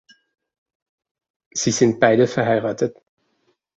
Sie sind beide verheiratet.